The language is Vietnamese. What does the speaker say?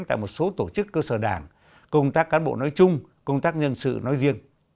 tại một số tổ chức cơ sở đảng công tác cán bộ nói chung công tác nhân sự nói riêng